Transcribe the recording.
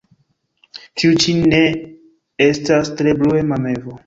Tiu ĉi ne estas tre bruema mevo.